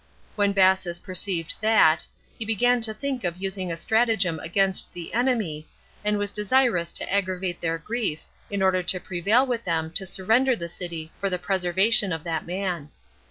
When Bassus perceived that, he began to think of using a stratagem against the enemy, and was desirous to aggravate their grief, in order to prevail with them to surrender the city for the preservation of that man.